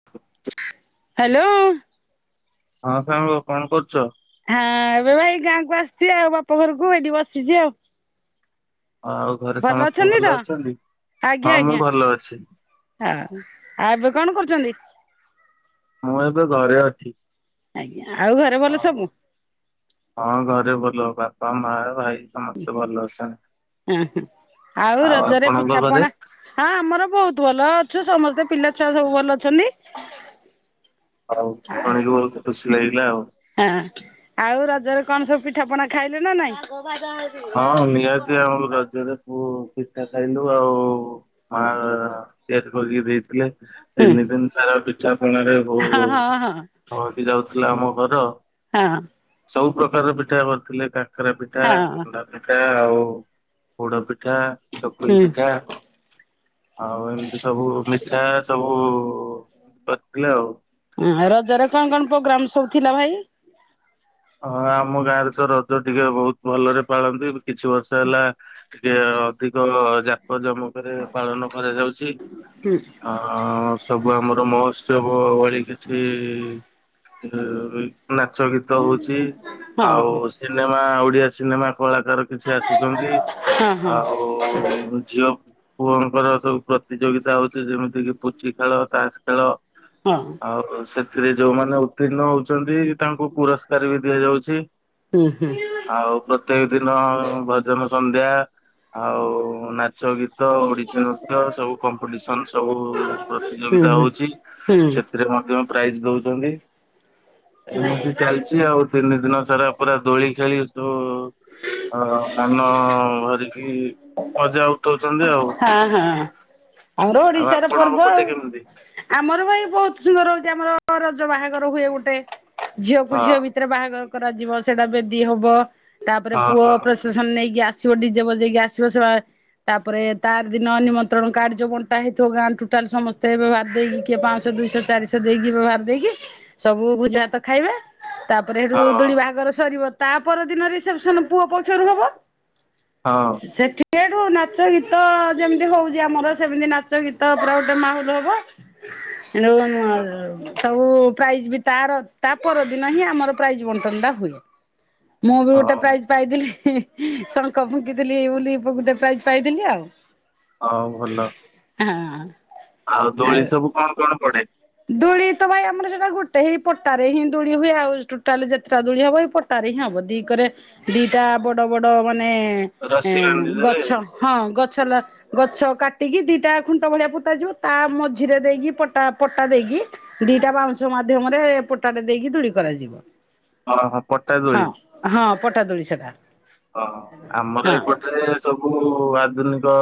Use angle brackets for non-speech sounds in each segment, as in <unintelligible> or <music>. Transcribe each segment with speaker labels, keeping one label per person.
Speaker 1: <unintelligible>
Speaker 2: Hello.
Speaker 1: ହଁ ସାଙ୍ଗ କଣ କରୁଚ?
Speaker 2: ହାଁ ଏବେ ପା ଏଇ ଗାଁକୁ ଆସିଚି ଆଉ, ବାପା ଘରକୁ ଏଇଠି ବସିଚି ଆଉ।
Speaker 1: ହଁ ଆଉ ଘରେ
Speaker 2: ଭଲ
Speaker 1: ସମସ୍ତେ
Speaker 2: ଅଛନ୍ତି ତ
Speaker 1: ଭଲ ଅଛନ୍ତି?
Speaker 2: ଆଜ୍ଞା
Speaker 1: ହଁ ମୁଁ
Speaker 2: ଆଜ୍ଞା
Speaker 1: ଭଲ ଅଛି।
Speaker 2: ହଁ। ଆଉ ଏବେ କଣ କରୁଚନ୍ତି?
Speaker 1: ମୁଁ ଏବେ ଘରେ ଅଛି।
Speaker 2: ଆଜ୍ଞା, ଆଉ ଘରେ ଭଲ
Speaker 1: ଆଉ
Speaker 2: ସବୁ?
Speaker 1: ହଁ ଘରେ ଭଲ, ବାପା, ମା, ଭାଇ ସମସ୍ତେ ଭଲ ଅଛନ୍ତି।
Speaker 2: ଉଁ ଅ ହଁ ଆଉ ରଜରେ
Speaker 1: ଆପଣଙ୍କ
Speaker 2: ପିଠା
Speaker 1: ଘରେ?
Speaker 2: ପଣା ହଁ ଆମର ବହୁତ ଭଲ ଅଛୁ, ସମସ୍ତେ ପିଲା ଛୁଆ ସବୁ ଭଲ ଅଛନ୍ତି।
Speaker 1: ହଉ
Speaker 2: ଆଉ
Speaker 1: ଶୁଣିକି ବହୁତ ଖୁସି ଲାଗିଲା ଆଉ।
Speaker 2: ହଁ ଆଉ, ରଜରେ କଣ ସବୁ ପିଠା ପଣା ଖାଇଲ ନା ନାଇଁ?
Speaker 1: ହଁ ନିହାତି ଆମ ରଜରେ ପିଠା ଖାଇଲୁ ଆଉ ହଁ ତିଆରି କରିକି ଦେଇଥିଲେ।
Speaker 2: ହୁଁ
Speaker 1: ତିନି ଦିନ ସାରା ପିଠାପଣା ରେ ହୋ
Speaker 2: ହଁ
Speaker 1: ହୋ
Speaker 2: ହଁ ହଁ।
Speaker 1: ଭରି ଯାଉଥିଲା ଆମ ଘର।
Speaker 2: ହଁ।
Speaker 1: ସବୁ ପ୍ରକାର ପିଠା କରିଥିଲେ କାକରା ପିଠା
Speaker 2: ହଁ
Speaker 1: କରା ପିଠା ଆଉ ପୋଡ ପିଠା ଚକୁଳି
Speaker 2: ହୁଁ।
Speaker 1: ପିଠା। ଆଉ ଏମିତି ସବୁ ମିଥା ସବୁ କରିଥିଲେ ଆଉ।
Speaker 2: ହୁଁ ରଜରେ କଣ କଣ ପ୍ରୋଗ୍ରାମ ସବୁ ଥିଲା ଭାଇ?
Speaker 1: ହଁ ଆମ ଗାଁ ରେ ତ ରଜ ଟିକେ ବହୁତ ଭଲରେ ପାଳନ୍ତି। କିଛି ବର୍ଷ ହେଲା ଟିକେ ଅଧିକ ଜାକ ଜମକରେ ପାଳନ କରାଯାଉଚି।
Speaker 2: ହଁ
Speaker 1: ହ ସବୁ ଆମର ମହୋତ୍ସବ ଭଳି କିଛି ରେ ରହି ନାଚ ଗୀତ ହଉଚି ଆଉ
Speaker 2: ହଁ
Speaker 1: ସିନେମା ଓଡିଆ ସିନେମା କଳାକାର କିଛି ଆସୁଚନ୍ତି
Speaker 2: ହଁ ହଁ।
Speaker 1: ଆଉ ଝିଅ ପୁଅଙ୍କର ସବୁ ପ୍ରତିଯୋଗିତା ହଉଚି ଯେମିତି କି ପୁଚି ଖେଳ ତାସ ଖେଳ।
Speaker 2: ହଁ
Speaker 1: ଆଉ ସେଥିରେ ଯୋଉମାନେ ଉତ୍ତୀର୍ଣ୍ଣ ହଉଚନ୍ତି ତାଙ୍କୁ ପୁରସ୍ କାର ବି ଦିଆଯାଉଚି।
Speaker 2: ହୁଁ ହୁଁ
Speaker 1: ଆଉ ପ୍ରତ୍ୟେକ ଦିନ ଭଜନ ସନ୍ଧ୍ୟା ଆଉ ନାଚ ଗୀତ ଓଡିଶୀ ନୃତ୍ୟ ସବୁ କମ୍ପିଟିସନ ସବୁ
Speaker 2: ହୁଁ
Speaker 1: ପ୍ରତିଯୋଗିତା
Speaker 2: ହୁଁ
Speaker 1: ହଉଚି।
Speaker 2: ହୁଁ।
Speaker 1: ଥିରେ ମଧ୍ଯ ପ୍ରାଇଜ ଦଉଚନ୍ତି ଏମିତି ଚାଲ ସବୁ ତିନି ଦିନ ସାରା ପୁରା ଦୋଳି ଖେଳି ତୁ ହ ମାନ ଭରିକି ମଜା ଉଠ ଉଠଉ ଚନ୍ତି ଆଉ
Speaker 2: ହଁ ହଁ ଆମର
Speaker 1: ଆଉ
Speaker 2: ଓଡିଶାର
Speaker 1: ଆପଣଙ୍କ
Speaker 2: ପର୍ବ
Speaker 1: ପଟେ
Speaker 2: ଆଉ।
Speaker 1: କେମିତି?
Speaker 2: ଆମର ଭାଇ ବହୁତ ସୁନ୍ଦର ହଉଚି ଆମର ରଜ ବାହାଘର ହୁଏ ଗୋଟେ ଝିଅକୁ
Speaker 1: ହଁ
Speaker 2: ଝିଅ ବି ଥିରେ ବାହାଘର କରାଯିବ। ସେଟା ବେଦୀ ହବ। ତାପରେ
Speaker 1: ହଁ
Speaker 2: ପୁଅ
Speaker 1: ହଁ
Speaker 2: ପ୍ରସ୍ ସେସନ ନେଇକି ଆସିବ ଡିଜେ ବଜେଇକି ଆସିବ ସେବା ତାପରେ ତାର ଦିନ ନିମନ୍ତ୍ରଣ କାର୍ଡ ଯୋଉ ବଣ୍ଟା ହେଇଥିବ ଗାଁ ଟୁଟାଲ ସମେସ୍ତେ ହେବେ ବାଧ୍ୟ ହେଇକି କିଏ ପାଞ୍ଚଶହ ଦୁଇଶହ ଚାରିଶହ ତ ଦେଇକି ବ୍ୟବହାର ଦେଇକି ସବୁ ଭୋଜି ଭାତ ଖାଇବେ। ତାପରେ ସେଠୁ
Speaker 1: ହଁ
Speaker 2: ଦୋଳି ବାହାଘର ସରିବ। ତା ପରଦିନ ରିସେପସନ ପୁଅ ପକ୍ଷରୁ ହବ।
Speaker 1: ହଁ।
Speaker 2: ସେଠି ସେଠୁ ନାଚ ଗୀ ତ ଯେମିତି ହଉଚି ଆମର ସେମିତି ନାଚ ଗୀତ ପୁରା ଗୋଟେ ମାହୋଲ ହବ। ସେଠୁ ହଁ ସବୁ ପ୍ରାଇଜ ବି ତାର ତା ପରଦିନ ହିଁ ଆମର ପ୍ରାଇଜ ବଣ୍ଟନ ଟା ହୁଏ। ମୁଁ ବି ଗୋଟେ
Speaker 1: ହଁ
Speaker 2: ପ୍ରାଇଜ ପାଇଥିଲି। ଶଙ୍ଖ ଫୁଙ୍କିଥିଲି ବୁଲି ଗଟେ ପ୍ରାଇଜ ପାଇଥିଲି ଆଉ।
Speaker 1: ହଉ ଭଲ।
Speaker 2: ହଁ।
Speaker 1: ଆଉ ଦୋଳି ସବୁ କଣ କଣ ପଡେ?
Speaker 2: ଦୁଳି ତ ଭାଇ ଆମର ସେଟା ଗୁଟେ ହିଁ ପଟାରେ ହିଁ ଦୁଳି ହୁଏ ଆଉ ଟୋଟାଲ ଯେତଟା ଦୁଳି ହବ ଏଇ ପଟ୍ ଟା ରେ ହଁ ହବ। ଦିକରେ ଦିଟା ବଡ ବଡ ମାନେ ଏ
Speaker 1: ରସି ବାନ୍ଧିଦେବେ
Speaker 2: ଗଛ ହଁ ଗଛଲ ଗଛ କାଟିକି ଦିଟା ଖୁଣ୍ଟ ଭଳିଆ ପୋତା ଯିବ। ତା ମଝିରେ ଦେଇକି ପଟା ପଟା ଦେଇକି ଦିଟା ବାଉଁଶ ମାଧ୍ୟମରେ ପଟାଟେ ଦେଇକି ଦୂଳି କରାଯିବ।
Speaker 1: ଓହୋ ପଟା
Speaker 2: ହଁ
Speaker 1: ଦୋଳି।
Speaker 2: ହଁ ପଟା ଦୁଳି ସେଟା।
Speaker 1: ହଁ ଆମର
Speaker 2: ହଁ
Speaker 1: ଏପଟେ ସବୁ ଆଧୁନିକ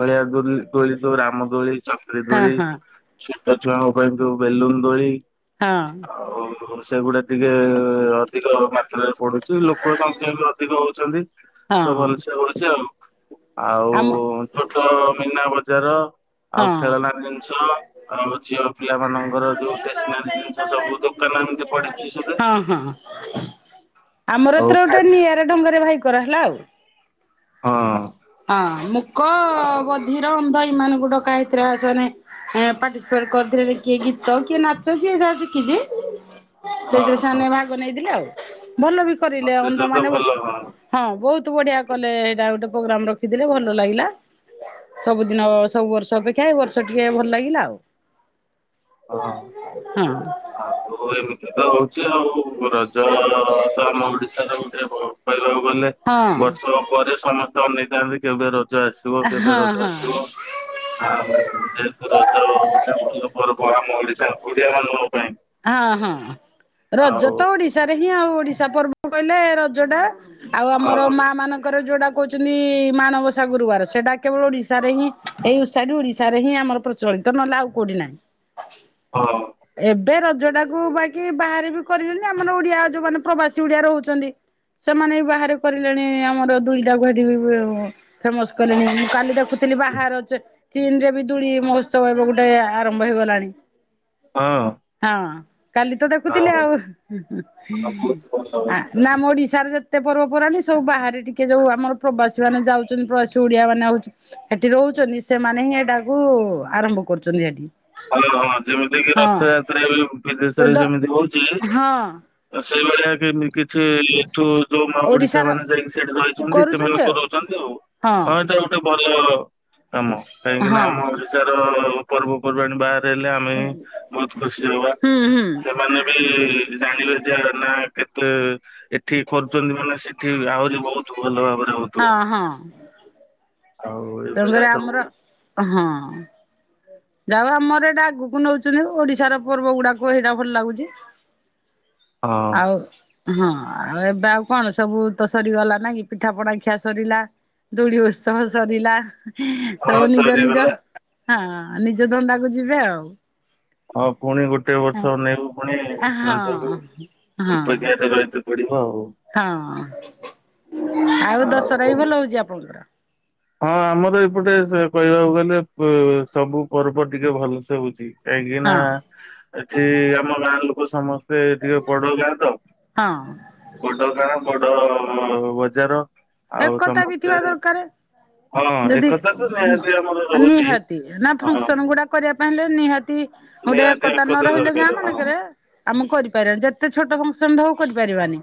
Speaker 1: ଭଳିଆ ଦଳି ଦୋଳି ଯୋ ରାମ ଦୋଳି ଚକ୍ରି
Speaker 2: ହଁ
Speaker 1: ଦୋଳି
Speaker 2: ହଁ।
Speaker 1: ଛଟ ଛୁଆଙ୍କ ପାଇଁ ଯୋଉ ବେଲୁନ ଦୋଳି।
Speaker 2: ହଁ।
Speaker 1: ଆଉ ସେଗୁଡା ଟିକେ ଅଧିକ ମାତ୍ରାରେ ପଡୁଚି। ଲୋକ ସ ଅଧିକ ହଉଚନ୍ତି ତ
Speaker 2: ହଁ
Speaker 1: ଭଲସେ ହଉଚି ଆଉ। ଆଉ
Speaker 2: ଆମ
Speaker 1: ଛୋଟ ମୀନା ବଜାର ଆଉ
Speaker 2: ହଁ
Speaker 1: ଖେଳନା ଜିନିଷ। ଆଉ ଝିଅପିଲା ମାନଙ୍କର ଯୋଉ ଟେସନାରୀ ଜିନିଷ ସବୁ ଦୋକାନ ଏମିତି ପଡିଚି ସଦେ।
Speaker 2: ହଁ ହଁ ଆମର
Speaker 1: ଆଉ
Speaker 2: ଏଥର
Speaker 1: ଖା
Speaker 2: ଗୋଟେ ନିଆରା ଢଙ୍ଗରେ ଭାଇ କରା ହେଲା ଆଉ।
Speaker 1: ହଁ
Speaker 2: ହଁ ମୁକ,
Speaker 1: ଆଉ
Speaker 2: ବଧିର, ଅନ୍ଧ ଏଇ ମାନଙ୍କୁ ଡ଼କା ହେଇଥିଲା। ସେଆନେ ଏଁ ପାର୍ଟିସିପେଟ କରିଥିଲେ ନି କିଏ ଗୀତ କିଏ ନାଚ ଯିଏ ଯାହା ଶିଖିଚି
Speaker 1: ହଁ
Speaker 2: ସେଇଥିରେ
Speaker 1: ହଁ
Speaker 2: ସେଆନେ ଭାଗ ନେଇଥିଲେ ଆଉ। ଭଲ ବି
Speaker 1: ହଁ
Speaker 2: କରିଲେ ଅନ୍ଧ
Speaker 1: ସେଇଟା ତ
Speaker 2: ମାନେ ବ
Speaker 1: ଭଲ
Speaker 2: ହଁ ବହୁତ ବଢିଆ କଲେ ହେଇଟା ଗୋଟେ ପ୍ରୋଗ୍ରାମ ରଖିଥିଲେ ଭଲ ଲାଗିଲା। ସବୁଦିନ ସବୁ ବର୍ଷ ଅପେକ୍ଷା ଏଇ ବର୍ଷ ଟିକେ ଭଲ ଲାଗିଲା ଆଉ।
Speaker 1: ହଁ।
Speaker 2: ହଁ
Speaker 1: ଆଉ ଏମିତି ତ ହଉଚି ଆଉ ରଜ ତ ଆମ ଓଡିଶାର ଗୋଟେ କହିବାକୁ ଗଲେ
Speaker 2: ହଁ
Speaker 1: ବର୍ଷକ ପରେ ସମସ୍ତେ ଅନେଇ ଥାଆନ୍ତି କେବେ ରଜ ଆସିବ
Speaker 2: ହଁ
Speaker 1: କେବେ ରଜ
Speaker 2: ହଁ
Speaker 1: ଆସିବ? ଆଉ ଯେହେତୁ ରଜ ଗୋଟେ ଭଲ ପର୍ବ ଆମ ଓଡିଶା ଓଡିଆ ମାନଙ୍କ ପାଇଁ
Speaker 2: ହଁ ହଁ ରଜ
Speaker 1: ଆଉ
Speaker 2: ତ ଓଡିଶାରେ ହିଁ ଆଉ ଓଡିଶା ପର୍ବ କହିଲେ ରଜଟା। ଆଉ
Speaker 1: ହଁ
Speaker 2: ଆମର ମା ମାନଙ୍କ ଙ୍କର ଯୋଉଟା କହୁଚନ୍ତି ମାଣବସା ଗୁରୁବାର ସେଟା କେବଳ ଓଡିଶାରେ ହିଁ ଏଇ ଉଷାଟି ଓଡିଶାରେ ହିଁ ଆମର ପ୍ର ଚଳିତ ନହେଲେ ଆଉ କୋଉଠି ନାଇଁ।
Speaker 1: ହଁ।
Speaker 2: ଏବେ ରଜ ଟାକୁ ବାକି ବାହାରେ ବି କରିଚନ୍ତି ଆମର ଓଡିଆ ଯୋଉ ମାନେ ପ୍ରବାସୀ ଓଡିଆ ରହୁଚନ୍ତି ସେମାନେ ବି ବାହାରେ କରିଲେଣି ଆମର ଦୁଇଟାକୁ ହେଟି ବ ଫେମସ କଲେଣି ମୁଁ କାଲି ଦେଖୁଥୀ ଥିଲି ବାହାର ଚ -ଚୀନ ରେ ବି ଦୂଳି ମହୋତ୍ସବ ଏବେ ଗୋଟେ ଆରମ୍ଭ ହେଇଗଲାଣି।
Speaker 1: ହଁ।
Speaker 2: ହଁ କାଲି ତ ଦେଖୁଥିଲି ଆଉ।
Speaker 1: ବହୁତ ଭଲ ହଁ
Speaker 2: ଆ ନା ମ ଓଡିଶାର ଯେ ତେ ପର୍ବ ପର୍ବାଣୀ ସବୁ ବାହାରେ ଟିକେ ଯଉଁ ଆମର ପ୍ରବାସୀ ମାନେ ଯାଉଚନ୍ତି ପ୍ରବାସୀ ଓଡ଼ିଆ ମାନେ ଆଉଚି ସେଠି ରହୁଚନ୍ତି ସେମାନେ ହିଁ ଏଟାକୁ ଆରମ୍ଭ କରୁଚନ୍ତି ଏଠି।
Speaker 1: ହଁ ହଁ ଯେମିତି କିି ରଥଯାତ୍ରା ଏବେ ବିଦେଶରେ
Speaker 2: ତ
Speaker 1: ଯେମିତି ହଉଚି
Speaker 2: ହଁ
Speaker 1: ତ ସେଇଭଳିଆ ଏବେ ଏମିକି ଚି ଏଠୁ ଯୋଉ ମାନ ଓଡିଶା
Speaker 2: ଓଡିଶାର
Speaker 1: ମାନେ ଯାଇକି ସେଠି ରହିଚନ୍ତି
Speaker 2: କରୁଛନ୍ତି
Speaker 1: ସେମାନେ
Speaker 2: ଆଉ
Speaker 1: କରଉଚନ୍ତି ଆଉ। ହଁ ଏଟା ଗୋଟେ ଭଲ କାମ କାହିଁକି ନା
Speaker 2: ହଁ
Speaker 1: ଆମ ଓଡିଶାର ପର୍ବପର୍ବାଣିୀ ବାହାର ଏ ହେଲେ ଆମେ ବହୁତ ଖୁସି ହବା।
Speaker 2: ହୁଁ ହୁଁ
Speaker 1: ସେମାନେ ବି ଜାଣିବେ ଯେ ଆର ନା କେତେ ଏଠି କରୁଚନ୍ତି ମାନେ ସେଠି ଆହୁରି ବହୁତ ଭଲ ଭାବରେ
Speaker 2: ହଁ
Speaker 1: ହଉଥିବ।
Speaker 2: ହଁ
Speaker 1: ଆଉ ଏ
Speaker 2: ତେଣୁକରି ଆମର ହଁ। ଯାହଉ ଆମର ଏଇଟା ଆଗକୁ ନଉଚନ୍ତି ଓଡିଶାର ପର୍ବ ଗୁଡାକ ହେଇଟା ଭଲ ଲାଗୁଚି।
Speaker 1: <inaudible>
Speaker 2: ଆଉ ହଁ ଆଉ ଏବେ ଆଉ କଣ ସବୁ ତ ସରିଗଲା ନାଇ କି ପିଠାପଣା ଖିଆ ସରିଲା। ଦୁଳି ଉତ୍ସବ ସରିଲା
Speaker 1: ହଁ
Speaker 2: ସବୁ ନିଜ ନିଜ
Speaker 1: ସରିଗଲା
Speaker 2: ହଁ ନିଜ ଧନ୍ଦା କୁ ଯିବେ ଆଉ।
Speaker 1: ହଁ ପୁଣି ଗୋଟେ ବର୍ଷ ଅନେଇବୁ ପୁଣି ରଜକୁ
Speaker 2: ହଁ। ହଁ
Speaker 1: ଅପେକ୍ଷା କରି ରହିଥିବୁ। ପଡିବ ଆଉ।
Speaker 2: ହଁ ଆଉ ଦଶହରା ବି ଭଲ ହଉଚି ଆପଣଙ୍କର?
Speaker 1: ହଁ ଆମର ଏପଟେ ସ କହିବାକୁ ଗଲେ ପ ସବୁ ପର୍ବ ଟିକେ ଭଲସେ ହଉଚି। କାହିଁକି ନା
Speaker 2: ହଁ
Speaker 1: ଏଠି ଆମ ଗାଁ ଲୋକ ସମସ୍ତେ ଟିକେ ବଡ ଗାଁ ତ
Speaker 2: ହଁ
Speaker 1: ବଡ ଗାଁ ବଡ ବଜାର। ଆଉ
Speaker 2: ଏକତା ବି
Speaker 1: ସମସ୍ତେ
Speaker 2: ଥିବା ଦରକାର।
Speaker 1: ହଁ
Speaker 2: ଯଦି
Speaker 1: ଏକତା ତ ନିହାତି ଆମର
Speaker 2: ଉଁ
Speaker 1: ରହୁଛି
Speaker 2: ନିହାତି ନା
Speaker 1: ହଁ
Speaker 2: ଫଙ୍କସନ ଗୁଡା କରିବା ପାଇଁ ହେଲେ ନିହାତି ତି ଗୋଟେ
Speaker 1: ନିହାତି
Speaker 2: ଏକତା ନ ରହିଲେ ଗାଁ
Speaker 1: ଦରକାର ହଁ
Speaker 2: ମାନଙ୍କରେ ଆମେ କରିପାରିବାନି ଯେତେ ଛୋଟ ଫଙ୍କସନଟେ ହଉ କରିପାରିବାନି।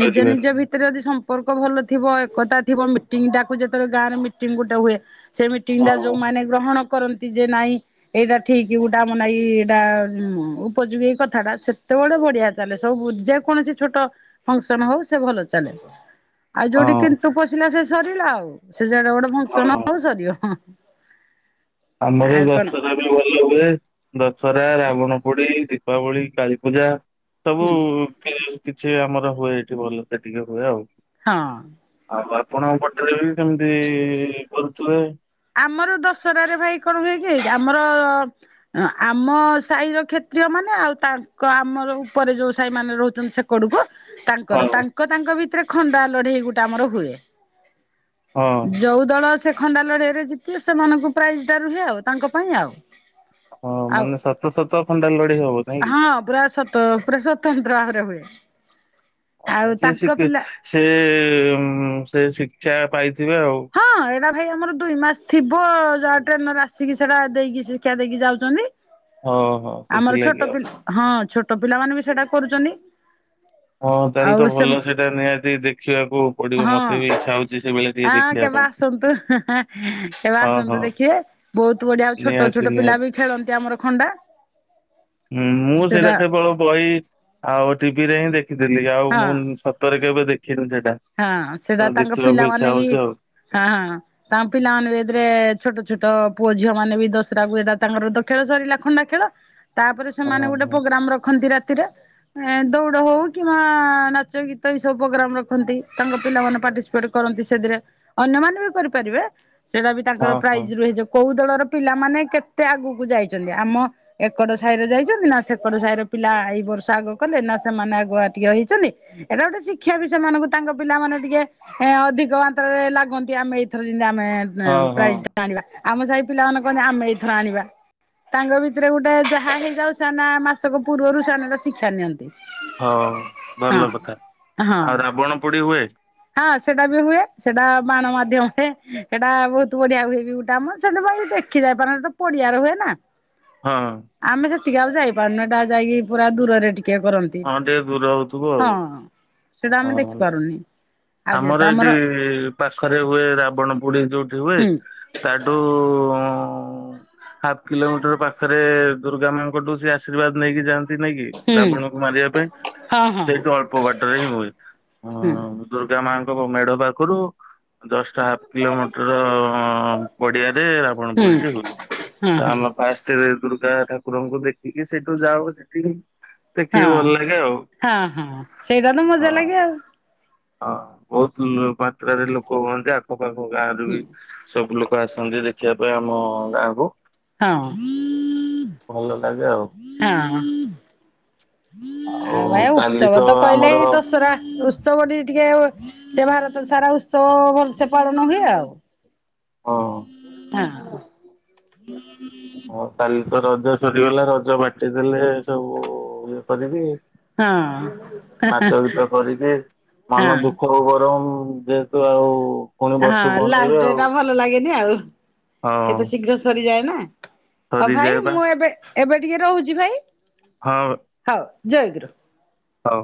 Speaker 2: ନିଜ ନିଜ ଭିତ ତରେ ଯଦି ସମ୍ପର୍କ ଭଲ ଥିବ। ଏକତା ଥିବ ମିଟିଂଟାକୁ ଯେତେବେଳେ ଗାଁରେ ମିଟିଂ ଗୋଟେ ହୁଏ ସେ ମିଟିଙ୍ଗ ଟା
Speaker 1: ହଁ।
Speaker 2: ଯୋଉମାନେ ଗ୍ରହଣ କରନ୍ତି ଯେ ନାଇଁ ଏଇଟା ଠିକ ଗୋଟା ଆମ ଲାଗି ଏଇଟା ଉପଯୋଗୀ କଥାଟା ସେତେ ବେଳେ ବଢିଆ ଚାଲେ ସବୁ ଯେକୌଣସି ଛୋଟ ଫଙ୍କସନ ହଉ ସେ ଭଲ ଚାଲେ। ଆଉ ଯୋଉଠି
Speaker 1: ହଁ
Speaker 2: କିନ୍ତୁ ପଶିଲା ସେ ସରିଲା ଆଉ। ସେ ଯେଡେ ବଡ ଫଙ୍କସନ
Speaker 1: ହଁ
Speaker 2: ହଉ ସରିବ। ହଁ।
Speaker 1: ଆମର ରାସ୍ତାରେ ବି ଭଲ ହୁଏ। ଦଶହରା, ରାବଣ ପୋଡି, ଦୀପାବଳି, କାଳୀପୂଜା। ସବୁ
Speaker 2: ହୁଁ
Speaker 1: କେଶ୍ କିଛି ଆମର ହୁଏ ଏଇଠି ଭଲ ସେ ଟିକେ ହୁଏ ଆଉ।
Speaker 2: ହଁ।
Speaker 1: ଆଉ ଆପଣଙ୍କ ପଟ ରେ ବି ସେମିତି କରୁଥିବେ?
Speaker 2: ଆମର ଦଶହରାରେ ଭାଇ କଣ ହୁଏ କି ଆମର ହଁ ଆମ ସାହିର କ୍ଷେତ୍ରୀୟମାନେ ଆଉ ତାଙ୍କ ଆମର ଉପରେ ଯଉଁ ସାହିମାନେ ରହୁଚନ୍ତି ସେକଡ଼କୁ
Speaker 1: ହଁ
Speaker 2: ତାଙ୍କର ତାଙ୍କ ତାଙ୍କ ଭିତରେ ଖଣ୍ଡା ଲଢେଇ ଗୋଟେ ଆମର ହୁଏ।
Speaker 1: ହଁ।
Speaker 2: ଯୋଉ ଦଳ ସେ ଖଣ୍ଡା ଲଢେଇରେ ଜିତିଲେ ସେମାନଙ୍କୁ ପ୍ରାଇଜଟା ରୁହେ ଆଉ ତାଙ୍କ ପାଇଁ ଆଉ।
Speaker 1: ହଁ
Speaker 2: ଆଉ
Speaker 1: ମାନେ ସାତ ଥର ତ ଖଣ୍ଡାଲ ଲଢେଇ ହବ ନାଇଁ କି?
Speaker 2: ହଁ ବ୍ରସ ତ ପୁରା ସ୍ଵତନ୍ତ୍ର ଭାବରେ ହୁଏ। ଆଉ
Speaker 1: ଓ ସେ
Speaker 2: ତାଙ୍କ
Speaker 1: ଶିଖେ
Speaker 2: ପିଲା
Speaker 1: ସେ ଉଁ ସେ ଶିକ୍ଷା ପାଇଥିବେ ଆଉ।
Speaker 2: ହଁ ଏଇଟା ଭାଇ ଆମର ଦୁଇ ମାସ ଥିବ ଯାହା ଟ୍ରେନର ଆସିକି ସେଇଟା ଦେଇକି ଶିକ୍ଷା ଦେଇକି ଯାଉଚନ୍ତି।
Speaker 1: ହଁ ହଁ
Speaker 2: ଆମର
Speaker 1: ସେଥିଲାଗି
Speaker 2: ଛୋଟ
Speaker 1: ଆଉ।
Speaker 2: ପିଲା ହଁ ଛୋଟ ପିଲାମାନୋନେ ବି ସେଇଟା କରୁଚନ୍ତି।
Speaker 1: ହଁ ତାହେଲେ ତ ଭଲ ସେଇଟା ନିହାତି ଦେଖିବାକୁ ପଡିବ ମୋତେ ବି ଇଚ୍ଛା ହଉଚି ସେଭଳିଆ।
Speaker 2: ହଁ କେବେ ଆସନ୍ତୁ କେବେ
Speaker 1: ହଁ
Speaker 2: ଆସନ୍ତୁ
Speaker 1: ହଁ।
Speaker 2: ଦେଖିବେ। ବହୁତ ବଢିଆ ଆଉ ଛୋଟ
Speaker 1: ନିହାତି
Speaker 2: ଛୋଟ ପିଲା
Speaker 1: ନିହାତି
Speaker 2: ବି ଖେଳନ୍ତି ଆମର ଖଣ୍ଡା।
Speaker 1: ହୁଁ ମୁଁ ସେଇଟା କେବଳ ବହି ଆଉ ଟିଭିରେ ହିଁ ଦେଖିଥିଲି ଆଉ ମୁଁ
Speaker 2: ହଁ।
Speaker 1: ସତ୍ ତରେ କେବେ ଦେଖିନି ସେଟା।
Speaker 2: ହଁ ସେଇଟା ତାଙ୍କ ପିଲାମାନେ ବି
Speaker 1: ଆଉ।
Speaker 2: ହଁ ହଁ। ତାଙ୍କ ପିଲାମାନେରେ ଯେତେଳେ ଛୋଟ ଛୋଟ ପୁଅ ଝିଅ ମାନେ ବି ଦଶରାକୁ ଏଇଟା ତାଙ୍କର ଖେଳ ସରିଲା ଖଣ୍ଡା ଖେଳ। ତାପରେ ସେମାନେ
Speaker 1: ହଁ
Speaker 2: ଗୋଟେ
Speaker 1: ହଁ।
Speaker 2: ପ୍ରୋଗ୍ରାମ ରଖନ୍ତି ରାତିରେ ଏ ଦୌଡ଼ ହଉ କିମ୍ବା ନାଚ ଗୀତ ଏଇ ସବୁ ପୋଗ୍ରାମ ରଖନ୍ତି। ତାଙ୍କ ପିଲାମାନେ ପାର୍ଟିସିପେଟ କରନ୍ତି ସେଥିରେ ଅନ୍ୟମାନେ ବି କରିପାରିବେ। ସେଇଟା ବି ତାଙ୍କର
Speaker 1: ହଁ ହଁ
Speaker 2: ପ୍ରାଇଜ ରୁହେ ଯେ କୋଉ ଦଳର ପିଲାମାନେ କେତେ ଆଗକୁ ଯାଇଚନ୍ତି ଆମ ଏକଡ ସାହିରେ ଯାଇଚନ୍ତି ନା ସେକଡ ସାହିରେ ପିଲା ଏଇ ବର୍ଷ ଆଗ କଲେ ନା ସେମାନେ ଆଗୁଆ ଟିକେ ହେଇଚନ୍ତି ଏଇଟା ଗୋଟେ ଶିକ୍ଷା ବି ସେମାନଙ୍କୁ ତାଙ୍କ ପିଲା ମାନେ ଟିକେ ଏ ଅଧିକ ମାତ୍ରା ରେ ଲାଗନ୍ତି ଆମେ ଏଇଥର ଯେମତି ଆମେ
Speaker 1: ହଁ
Speaker 2: ଏ
Speaker 1: ହଁ
Speaker 2: ପ୍ରାଇଜ ଆଣିବା ଆମ ସାଇ ପିଲାମାନେ କହନ୍ତି ଆମେ ଏଇଥର ଆଣିବା। ତାଙ୍କ ଭିତରେ ଗୋଟେ ଯାହା ହେଇଯାଉ ସେମାନେ ମାସକ ପୂର୍ବରୁ ସାନା ଟା ଶିକ୍ଷା ନିଅନ୍ତି।
Speaker 1: ହଉ
Speaker 2: ହଁ
Speaker 1: ଭଲ କଥା।
Speaker 2: ହଁ।
Speaker 1: ଆଉ ରାବଣ ପୋଡି ହୁଏ?
Speaker 2: ହଁ ସେଟା ବି ହୁଏ। ସେଟା ବାଣ ମାଧ୍ୟମରେ ସେଇଟା ବହୁତ ବଢିଆ ହୁଏ ବି ଗୋଟେ ଆମ ସେଠି ପାଇଁ ଏତେ ଖିଲ ପାନ ଟା ପଡିଆରେ ହୁଏ ନା?
Speaker 1: ହଁ।
Speaker 2: ଆମେ ସେତିକି ଆଉ ଯାଇପାରୁନୁ। ଏଇଟା ଯାଇକି ପୁରା ଦୂରରେ ଟିକେ କରନ୍ତି।
Speaker 1: ହଁ ଟିକେ ଦୂର ହଉଥିବ
Speaker 2: ହଁ
Speaker 1: ଆଉ
Speaker 2: ସେଟା ଆମେ
Speaker 1: ହଁ।
Speaker 2: ଦେଖିପାରୁନି। ଆଉ ଯେହେତୁ
Speaker 1: ଆମର ଏଇଠି ପାଖରେ ହୁଏ ରାବଣ ପୋଡି ଯୋଉଠି ହୁଏ।
Speaker 2: ହୁଁ
Speaker 1: ତାଠୁ ହାଫ୍ କିଲୋମିଟର ପାଖରେ ଦୁର୍ଗା ମାଆଙ୍କଠୁ ସେ ଆଶୀର୍ବାଦ ନେଇକି ଯାଆନ୍ତି ନାଇକି
Speaker 2: ହୁଁ
Speaker 1: ରାବଣ କରିବା ପାଇଁ
Speaker 2: ହଁ ହଁ।
Speaker 1: ସେଇଠୁ ଅଳ୍ପ ବାଟରେ ହିଁ ହୁଏ।
Speaker 2: ହୁଁ
Speaker 1: ଆଁ ଦୁର୍ଗା ମାଙ୍କ ମେଢ ପାଖରୁ ଦଶଟା ହା କିଲୋମିଟର ପଡିଆରେ ରାବଣ
Speaker 2: ହୁଁ
Speaker 1: ପୋଡିଟି ହୁଏ।
Speaker 2: ହଁ
Speaker 1: ତ
Speaker 2: ହଁ
Speaker 1: ଆମ ଫାଷ୍ଟରେ ଦୁର୍ଗା ଠାକୁରଙ୍କୁ ଦେଖିକି ସେଇଠୁ ଯାଉ ସେଠିକି
Speaker 2: ହଁ
Speaker 1: ଦେଖିକି ଭଲ ଲାଗେ ଆଉ।
Speaker 2: ହଁ ହଁ ସେଇଟା ତ
Speaker 1: ହଁ
Speaker 2: ମଜା ଲାଗେ ଆଉ।
Speaker 1: ହଁ ବହୁତ ମାତ୍ରାରେ ଲୋକ ହୁଅନ୍ତି। ଆଖପାଖ ଗାଁରୁ
Speaker 2: ହଁ
Speaker 1: ବି ସବୁ ଲୋକ ଆସନ୍ତି ଦେଖିବା ପାଇଁ ଆମ ଗାଁକୁ।
Speaker 2: ହଁ।
Speaker 1: ଭଲ ଲାଗେ ଆଉ।
Speaker 2: ତାଅଁ। ଆଉ ଭାଇ ଉତ୍ସବ ତ କହିଲେ ଏଇ ଦଶହରା ଉ ଉତ୍ସବ ଟ ଟିକେ ସେ ଭାରତ ସାରା ଉତ୍ସବ ଭଲସେ ପାଳନ ହୁଏ ଆଉ।
Speaker 1: ହଁ
Speaker 2: ହଁ।
Speaker 1: ହଁ କାଲି ତ ରଜ ସରିଗଲା ରଜ ବାଟିଦେଲେ ସବୁ ଇଏ କରି କି
Speaker 2: ହଁ
Speaker 1: ନାଚ ଗୀତ କରିକି ମନ ଦୁଃଖ
Speaker 2: ହଁ
Speaker 1: ବରଂ ଯେ ତୁ ଆଉ ପୁଣି
Speaker 2: ହଁ
Speaker 1: ବର୍ଷକୁ
Speaker 2: ଲାଷ୍ଟ
Speaker 1: ଅନେଇବେ
Speaker 2: ଡେଟ
Speaker 1: ଆଉ।
Speaker 2: ଆ ଭଲ ଲାଗେନି ଆଉ
Speaker 1: ହଉ
Speaker 2: କେତେ ଶୀଘ୍ର ସରିଯାଏ ନା। ହଁ
Speaker 1: ସରିଯାଏ
Speaker 2: ଭାଇ
Speaker 1: ବା
Speaker 2: ମୁଁ ଏବେ ଏବେ ଟିକେ ରହୁଛି ଭାଇ।
Speaker 1: ହଁ।
Speaker 2: ହଉ ଜୟ ଗୁରୁ।
Speaker 1: ହଉ।